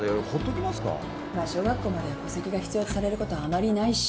まあ小学校までは戸籍が必要とされることはあまりないし。